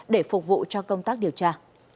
để phục vụ cho công tác điều tra